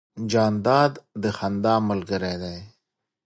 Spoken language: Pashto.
جانداد د خندا ملګری دی.